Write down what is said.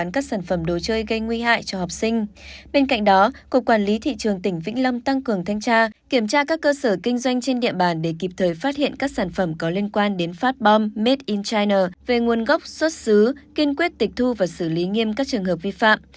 bên cạnh đó cục quản lý thị trường tỉnh vĩnh lâm tăng cường thanh tra kiểm tra các cơ sở kinh doanh trên địa bàn để kịp thời phát hiện các sản phẩm có liên quan đến phát bom made in china về nguồn gốc xuất xứ kiên quyết tịch thu và xử lý nghiêm các trường hợp vi phạm